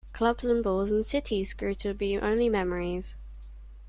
Clubs and balls and cities grew to be only memories.